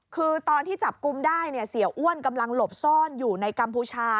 คือตอนที่จับกลุ่มได้เสียอ้วนกำลังหลบซ่อนอยู่ในกัมพูชา